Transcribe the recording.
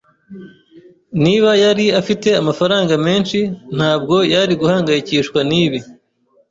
Niba yari afite amafaranga menshi, ntabwo yari guhangayikishwa nibi.